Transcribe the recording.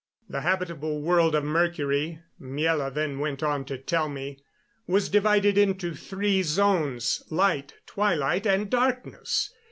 The habitable world of Mercury, Miela then went on to tell me, was divided into three zones light, twilight and darkness.